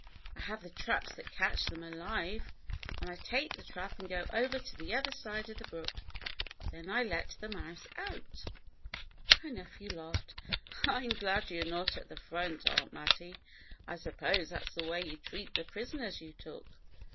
I have the traps that catch them alive, and I take the trap and go over to the other side of the broolv. Then I let the mouse out." Her nephew laughed. " I am glad you're not at the front. Aunt Mattie. I suppose that 's the way you 'd treat the prisoners you took."